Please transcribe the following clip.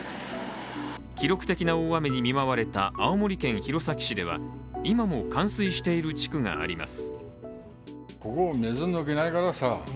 記録的な大雨に見舞われた青森県弘前市では今も冠水している地区があります。